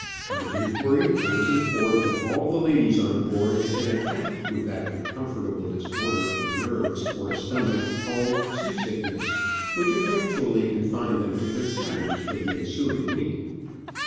On inquiry, I was in formed that all the ladies on board had been attacked with that uncomfortable disorder of the nerves or stomach called sea sickness, which effectually confined them to their cabins for the ensuing week.